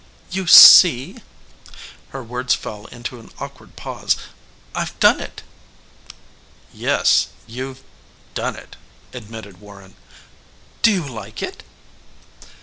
"You see," her words fell into an awkward pause "I've done it." "Yes, you've done it," admitted Warren. "Do you like it?"